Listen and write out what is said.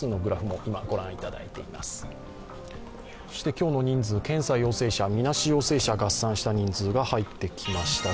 今日の人数、検査陽性者、みなし陽性者合算した人数が入ってきました。